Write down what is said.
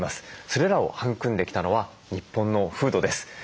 それらを育んできたのは日本の風土です。